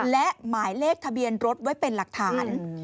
และหมายเลขทะเบียนรถไว้เป็นหลักฐาน